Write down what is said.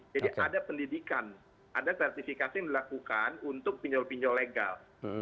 jadi ada pendidikan ada sertifikasi yang dilakukan untuk pinjol pinjol legal